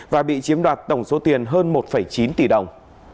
và bị chiếm đoạt tổng số tiền hơn một chín tỷ đồng